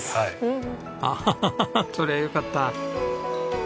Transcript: アハハハハッそりゃよかった。